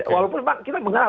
walaupun pak kita mengenal